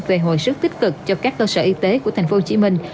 về hồi sức tích cực cho các cơ sở y tế của thành phố hồ chí minh